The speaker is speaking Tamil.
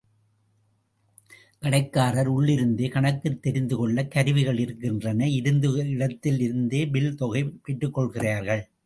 கடைக்காரர் உள்ளிருந்தே கணக்குத் தெரிந்து கொள்ளக் கருவிகள் இருக்கின்றன, இருந்த இடத்தில் இருந்தே பில் தொகை பெற்றுக்கொள்கிறார்கள்.